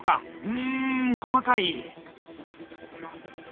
うん細かい。